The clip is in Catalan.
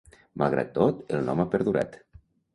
Malgrat tot, el nom ha perdurat.